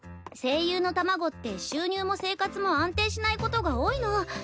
声優の卵って収入も生活も安定しないことが多いの。